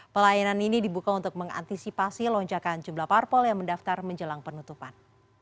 pelayanan ini dibuka untuk mengantisipasi lonjakan jumlah parpol yang mendaftar menjelang penutupan